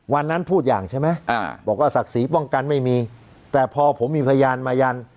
วันนั้นพูดอย่างใช่ไหมอ่าบอกว่าศักดิ์ศรีป้องกันไม่มีแต่พอผมมีพยานมายัน